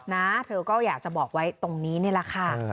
นะเธอก็อยากจะบอกไว้ตรงนี้นี่แหละค่ะ